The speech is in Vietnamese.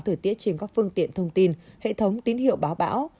thời tiết trên các phương tiện thông tin hệ thống tín hiệu báo bão